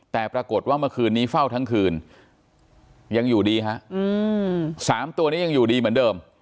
แต่ปรากฏว่าเมื่อคืนนี้เฝ้าทั้งคืนยังอยู่ดีฮะ๓ตัวนี้ยังอยู่ดีเหมือนเดิม